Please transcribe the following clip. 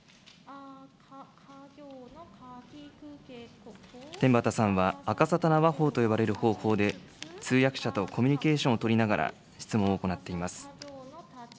あか、天畠さんは、あかさたな話法と呼ばれる方法で、通訳者とコミュニケーションを取りながら、質問を行っています。